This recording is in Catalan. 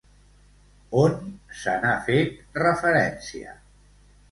On se n'ha fet referència?